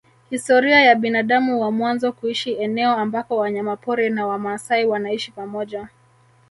Historia ya binadamu wa mwanzo kuishi eneo ambako wanyamapori na wamaasai wanaishi pamoja